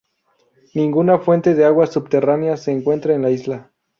Ninguna fuente de agua subterránea se encuentra en la isla.